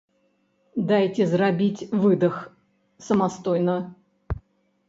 Дайце зрабіць выдых самастойна.